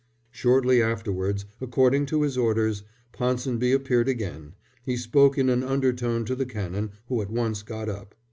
Shortly afterwards, according to his orders, Ponsonby appeared again. He spoke in an undertone to the Canon, who at once got up.